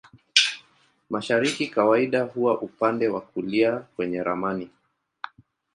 Mashariki kawaida huwa upande wa kulia kwenye ramani.